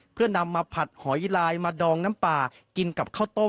เพื่อนำมาผัดหอยลายมาดองน้ำป่ากินกับข้าวต้ม